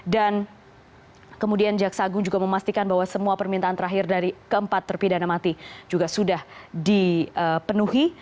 dan kemudian jaksa agung juga memastikan bahwa semua permintaan terakhir dari keempat terpidana mati juga sudah dipenuhi